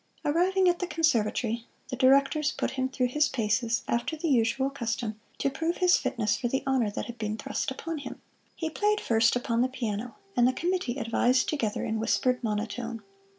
Arriving at the Conservatory, the directors put him through his paces, after the usual custom, to prove his fitness for the honor that had been thrust upon him. He played first upon the piano, and the committee advised together in whispered monotone.